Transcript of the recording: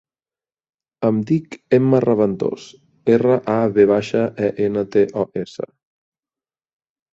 Em dic Emma Raventos: erra, a, ve baixa, e, ena, te, o, essa.